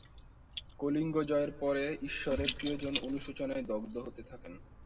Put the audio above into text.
কলিঙ্গ জয়ের পরে ঈশ্বরের প্রিয়জন অনুশোচনায় দগ্ধ হতে থাকেন।